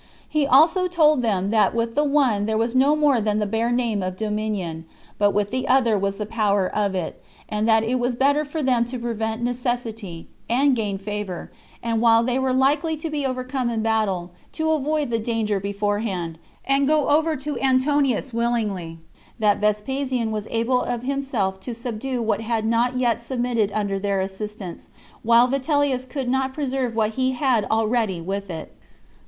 He also told them that with the one there was no more than the bare name of dominion, but with the other was the power of it; and that it was better for them to prevent necessity, and gain favor, and, while they were likely to be overcome in battle, to avoid the danger beforehand, and go over to Antonius willingly; that Vespasian was able of himself to subdue what had not yet submitted without their assistance, while Vitellius could not preserve what he had already with it.